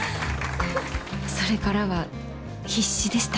それからは必死でした。